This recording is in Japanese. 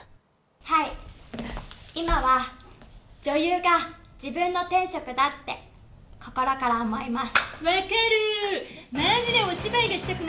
今は女優が自分の天職だって心から思います。